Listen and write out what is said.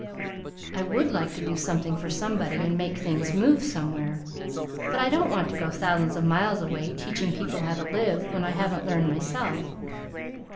I would like to do something for somebody and make things move, somewhere, but I don't want to go thousands of miles away teaching people how to live when I haven't learned myself.